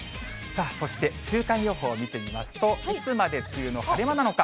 そして週間予報見てみますと、いつまで梅雨の晴れ間なのか。